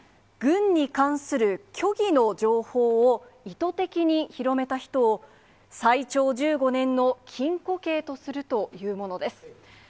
軍に関する虚偽の情報を意図的に広めた人を、最長１５年の禁錮刑とするというものです。